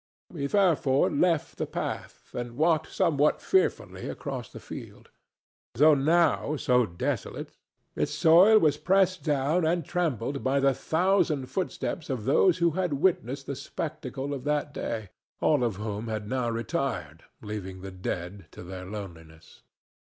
He therefore left the path and walked somewhat fearfully across the field. Though now so desolate, its soil was pressed down and trampled by the thousand footsteps of those who had witnessed the spectacle of that day, all of whom had now retired, leaving the dead to their loneliness.